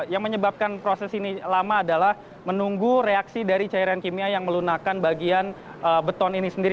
yang menyebabkan proses ini lama adalah menunggu reaksi dari cairan kimia yang melunakan bagian beton ini sendiri